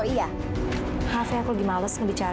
lihat deh perhiasan aku nih kalungnya bagus ya